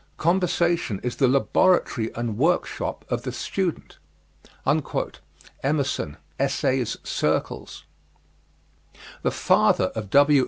Conversation is the laboratory and workshop of the student. EMERSON, Essays: Circles. The father of W.